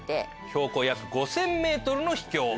標高約５０００ｍの秘境。